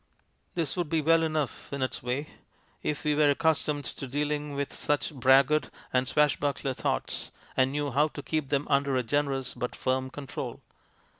" This would be well enough in its way, if we were accustomed to dealing with such braggart and swashbuckler thoughts and knew how to keep them under a generous but firm control.